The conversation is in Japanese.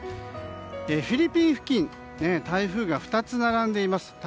フィリピン付近台風が２つ並んでいます。